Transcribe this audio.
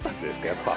やっぱ。